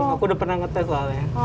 aku udah pernah ngetes soalnya